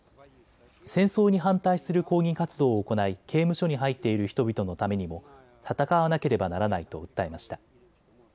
戦争に反対する抗議活動を行い刑務所に入っている人々のためにも戦わなければならないと訴えました。